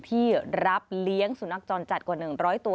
ที่รับเลี้ยงสุนัขจรจัดกว่า๑๐๐ตัว